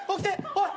おい！